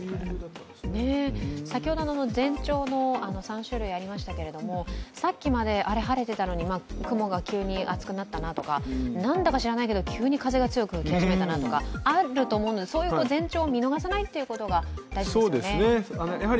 先ほど前兆３種類ありましたけれども、さっきまで、あれ、晴れてたのに雲が急に厚くなったなとかなんだか知らないけど急に風が強く吹き始めたなとかあると思うので、そういう前兆を見逃さないということが大事ですよね。